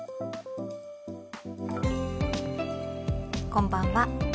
こんばんは。